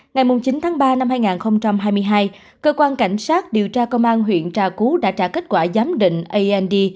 ngày chín tháng ba năm hai nghìn hai mươi hai cơ quan cảnh sát điều tra công an huyện trà cú đã trả kết quả giám định and